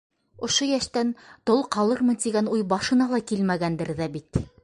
Ошо йәштән тол ҡалырмын тигән уй башына ла килмәгәндер ҙә бит...